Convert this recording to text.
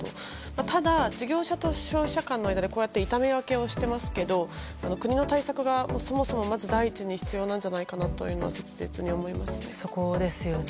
ただ、事業者と消費者間の間で痛み分けをしていますが国の対策がそもそも第一に必要なんじゃないかと切実に思います。